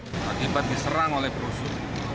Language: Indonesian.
ketiba diserang oleh perusuh